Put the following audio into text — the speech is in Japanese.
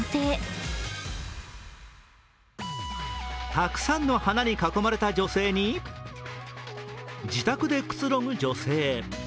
たくさんの花に囲まれた女性に自宅でくつろぐ女性。